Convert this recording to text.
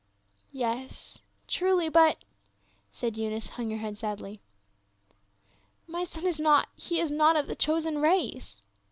Yes, truly, but —" and Eunice hung her head sadly. " My son is not — he is not of the chosen race."